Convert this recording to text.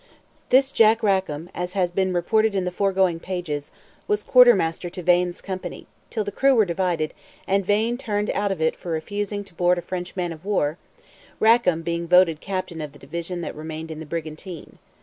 This John Rackam, as has been reported in the foregoing pages, was quarter master to Vane's company, till the crew were divided, and Vane turned out of it for refusing to board a French man of war, Rackam being voted captain of the division that remained in the brigantine.